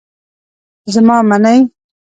زما منی.